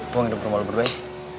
gue ngidup rumah lo berdua ya